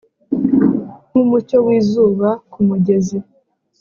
nkumucyo wizuba kumugezi;